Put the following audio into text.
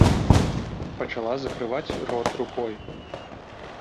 Пачала закрываць рот рукой.